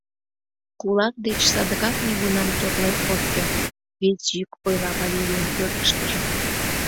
Кулак деч садыгак нигунам торлен от керт», — вес йӱк ойла Валерийын кӧргыштыжӧ.